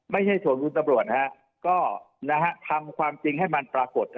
ไม่ให้ถวงดุลตำรวจนะฮะก็ทำความจริงให้มันประกด